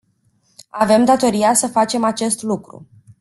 Avem datoria să facem acest lucru.